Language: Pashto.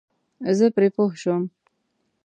زه پرې پوه شوم.